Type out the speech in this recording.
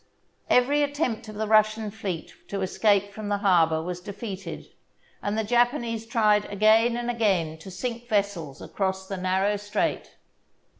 Every attempt of the Russian fleet to escape from the harbour was defeated, and the Japanese tried again and again to sink vessels across the narrow strait.